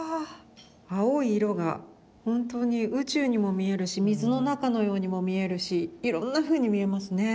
青い色が本当に宇宙にも見えるし水の中のようにも見えるしいろんなふうに見えますね。